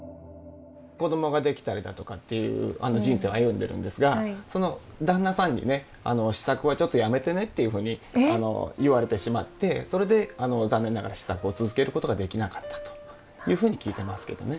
子どもができたりだとかという人生を歩んでるんですがその旦那さんにね詩作はちょっとやめてねというふうに言われてしまってそれで残念ながら詩作を続ける事ができなかったというふうに聞いてますけどね。